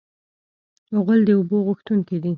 غول د اوبو غوښتونکی دی.